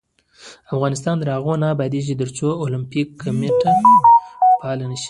افغانستان تر هغو نه ابادیږي، ترڅو د اولمپیک کمیټه فعاله نشي.